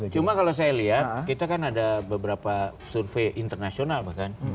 cuma kalau saya lihat kita kan ada beberapa survei internasional bahkan